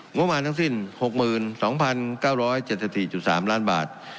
งบประมาณทั้งสิ้น๖๒๙๗๔๓ล้านบาท